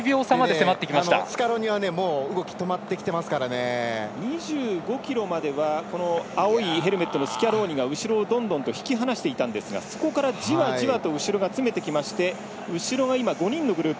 スキャローニは２５ｋｍまでは青いヘルメットのスキャローニが後ろをどんどんと引き離していたんですがそこから、じわじわと後ろが詰めてきまして後ろが５人のグループ